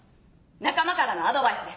仲間からのアドバイスです。